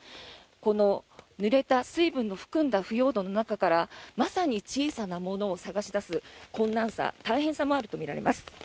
このぬれた水分を含んだ腐葉土の中からまさに小さなものを探し出す困難さ、大変さもあるとみられます。